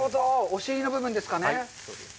お尻の部分ですかね。